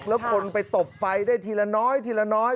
แล้วคนไปตบไฟได้ทีละน้อยทีละน้อย